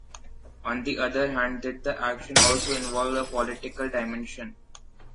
On the other hand, did the action also involve a political dimension?